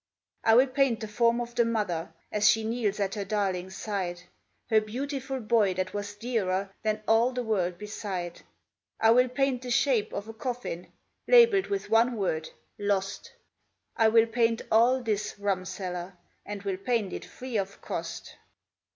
I will paint the form of the mother As she kneels at her darling's side, Her beautiful boy that was dearer Than all the world beside. I will paint the shape of a coffin, Labelled with one word "Lost" I will paint all this, rumseller, And will paint it free of cost.